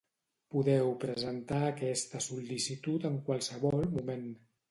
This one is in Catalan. Podeu presentar aquesta sol·licitud en qualsevol moment.